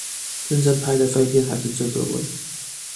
認真拍的廢片還是最對味